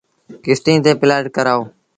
ڪستيٚن تي پلآٽ ڪرآئوٚݩ۔